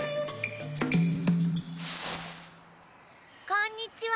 こんにちは。